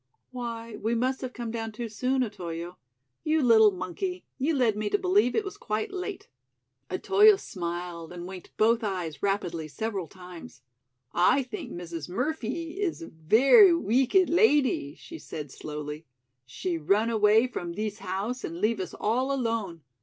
"Why, we must have come down too soon, Otoyo. You little monkey, you led me to believe it was quite late." Otoyo smiled and winked both eyes rapidly several times. "I think Mrs. Murphee is a very week ed ladee," she said slowly. "She run away from thees house and leave us all alone.